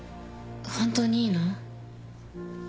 本当にいいの？